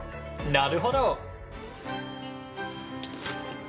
なるほど！